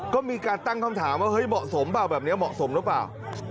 ก็มีการตั้งคำถามว่าเฮ้ยเหมาะสมเปล่าแบบนี้เหมาะสมหรือเปล่า